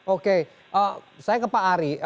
oke saya ke pak ari